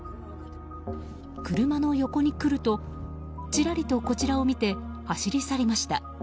車の横に来るとちらりとこちらを見て走り去りました。